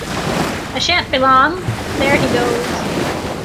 I shan’t be long. There he goes!